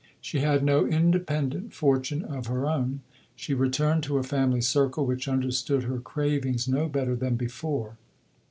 She had no independent fortune of her own. She returned to a family circle which understood her cravings no better than before.